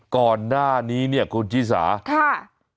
ก่อนหน้านี้เนี่ยคุณชิสาค่ะ